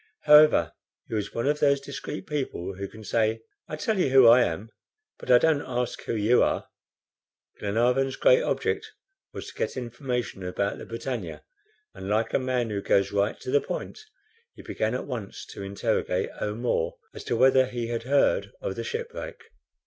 However, he was one of those discreet people who can say, "I tell you who I am, but I don't ask who you are." Glenarvan's great object was to get information about the BRITANNIA, and like a man who goes right to the point, he began at once to interrogate O'Moore as to whether he had heard of the shipwreck.